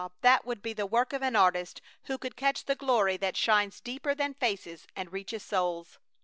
That would be the work of an artist who could catch the glory that shines deeper than faces and reaches souls!